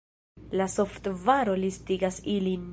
La softvaro listigas ilin.